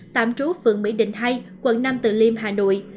tạm trú phường mỹ đình thay quận năm tự liêm hà nội